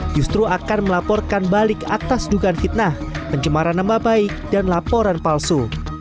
justru akan melaporkan balik atas dugaan fitnah pencemaran nama baik dan laporan palsu